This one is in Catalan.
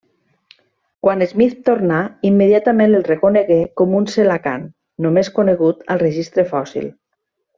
Quan Smith tornà, immediatament el reconegué com a un celacant, només conegut al registre fòssil.